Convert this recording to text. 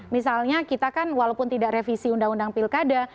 misalnya kita kan walaupun tidak revisi undang undang pilkada